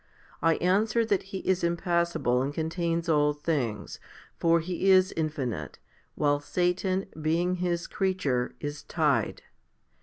" I answer that He is impassible and contains all things, for He is infinite, while Satan, being His creature, is tied.